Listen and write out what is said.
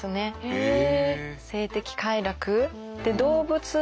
へえ。